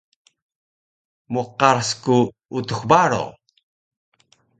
Mqaras ku Utux Baro